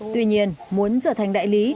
tuy nhiên muốn trở thành đại lý